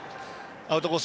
アウトコース